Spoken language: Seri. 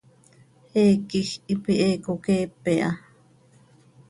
Heec quij hipi he coqueepe ha.